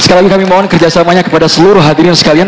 sekali lagi kami mohon kerjasamanya kepada seluruh hadirin sekalian